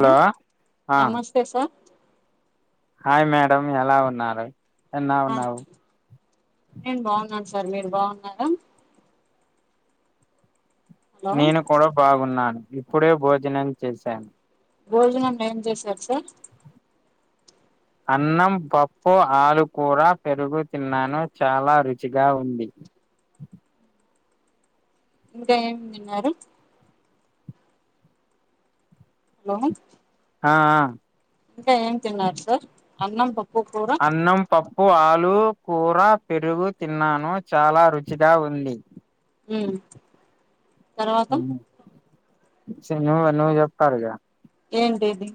hello ఉ ఆ నమస్తే సార్ హాయ్ మేడం ఎలా ఉన్నారు ఎన్నా ఉన్నావు నేను బాగున్నాను సార్ మీరు బాగున్నారా హలో నేను కూడా బాగున్నాను ఇప్పుడే భోజనం చేశాను భోజనం ఏం చేశారు సార్ అన్నం పప్పు ఆలు కూర పెరుగు తిన్నాను చాలా రుచిగా ఉంది ఇంకా ఏమి తిన్నారు హలో ఆ ఆ ఇంకా ఏం తిన్నారు సార్ అన్నం పప్పు కూర అన్నం పప్పు ఆ లు కూర పెరుగు తిన్నాను చాలా రుచిగా ఉంది ఉ ఉ చి ను నువ్ చెప్తారు గా ఏంటి ఇది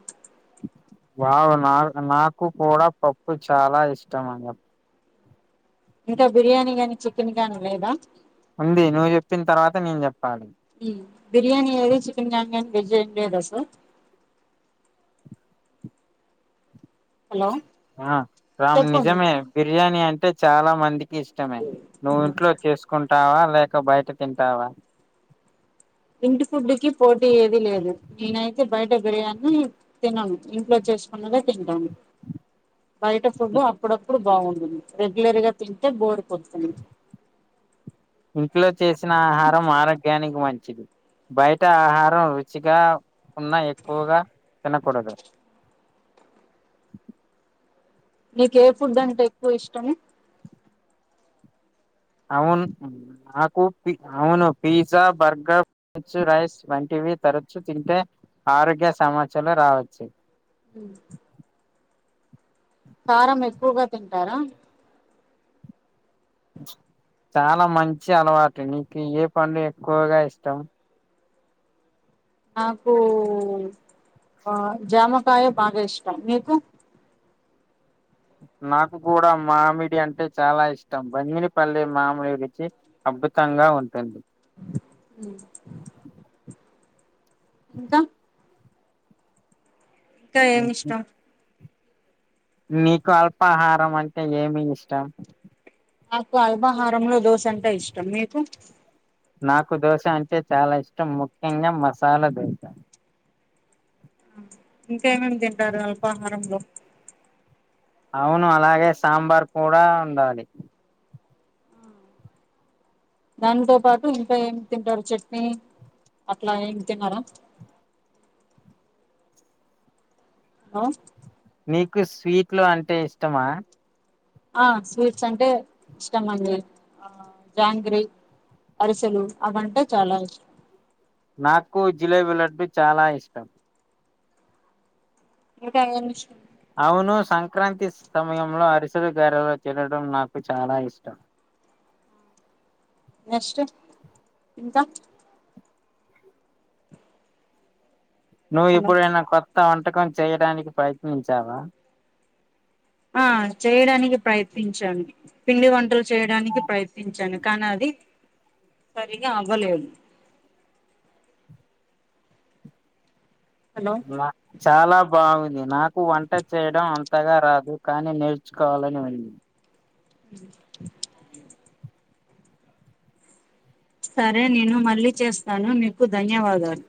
వావ్ నా నాకు కూడా పప్పు చాలా ఇష్టం అన్ చెప్ ఇంకా బిర్యానీ గానీ చికెన్ గాని లేదా ఉంది నువ్వు చెప్పిన తర్వాత నేను చెప్ ఉ బిర్యానీి ఏది చికెన్ మన్ వెజ్ అ ఏదా సార్ హలో ఆ రామ్ చెప్పండి నిజమే బిర్యానీ అంటే చాలా మంది కి ఇష్టమే నువ్వు ఉమ్, ఇంట్లో చేసుకుంటావా లేక బయట తింటావా ఇంటి ఫుడ్ కి పోటీ ఏది లేదు నేనైతే బయట బిర్యానీ తిినను ఇంట్లో చెస్ చేసుకున్నదే తింటాము బయట ఫుడ్ ఇ- అప్పుడప్పుడు బాగుంటంది రెగ్యులర్ గా తింటే బోర్ కొడుతుంది ఇంట్లో చేసిన ఆహారం ఆరోగ్యానికి మం చిది బయట ఆహారం రుచిగా ఉన్నా ఎక్కువుగా తినకూడదు నీక ఏ ఫుడ్ అంటే ఎక్కువ ఇష్టం అవును నాకు పి అవును పిజ్జా బర్గర్ మ రైస్ వంటి వి తరచు తింటే ఆరోగ్య సమస్యలు రావచ్చు ఉ కారం ఎక్కువగా తింటారా చాలా మంచి అలవాటు నీకు ఏ పండ్లు ఎక్కువగా ఇష్టం నాకు ఆ జామకాయ బాగా ఇష్టం నీకు నాకు కూడా మామిడి అంటే చాలా ఇష్టం బంగినిపల్లిె మామిడి కి అప్ అద్భుతంగా ఉంటుంది ఇంకా ఇంకా ఏమి ఇష్టం నీకు అల్పాహారం అంటే ఏమి ఇష్టం నాకు అల్బహారంలో దోశ అంటె ఇష్టం మీకు నాకు దోశ అంటే చాలా ఇష్టం ముఖ్యంగా మసాలా దోశ ఇంకేమేమి తింటారు అల్పాహారంలో అవును అలాగే సాంబార్ కూడా ఉండాలి దానితో పాటు ఇంకా ఏం తింటారు చట్నీ అట్లా ఏమి తినర [inaudible] ఆ నీకు స్వీట్లు అంటే ఇష్టమా ఆ స్వీట్స్ అంటే ఇష్టం అం ఆ జాంగ్రి అరిసెలు అవంటే చాలా ఇష్టం నాకు జిలేబీ లడ్డు చాలా ఇష్టం ఇంకా ఏమి ఇష్టం అవును సంక్రాంతి సమయంలో అరిసలు గారెలు తినడం నాకు చాలా ఇష్టం నెక్స్ట్ ఇంకా నువ్వు ఇప్పుడైనా కొత్త వంటకం చేయడానికి ప్రయత్నించావా ఆ చేయడానికి ప్రయత్నించాను పిండి వంటలు చేయడానికి ప్రయత్నించాను కానీ అది సరిగ్గా అవ్వలేదు హలో చాలా బాగుంది నాకు వంట చేయడం అంతగా రాదు కానీ నేర్చుకోవాలని ఉంది అ సరే నేను మళ్ళీ చేస్తాను నీకు ధన్యవాదాలు